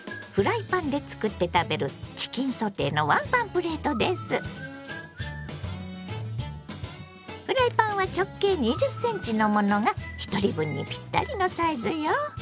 フライパンで作って食べるフライパンは直径２０ｃｍのものがひとり分にぴったりのサイズよ。